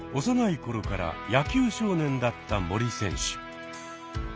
幼い頃から野球少年だった森選手。